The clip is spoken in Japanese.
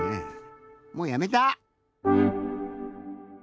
もうやめた！